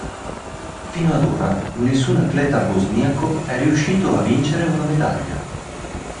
Fino ad ora nessun atleta bosniaco è riuscito a vincere una medaglia.